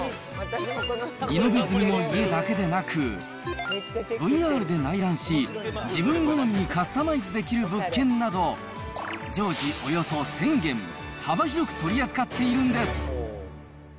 リノベ済みの家だけでなく、ＶＲで内覧し、自分好みにカスタマイズできる物件など、常時およそ１０００軒、幅広く取り扱っているんです。